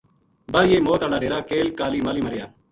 بر یہ موت ہالا ڈیرا کیل کالی ماہلی ما رہیا